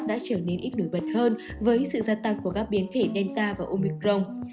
đã trở nên ít nổi bật hơn với sự gia tăng của các biến thể delta và omicron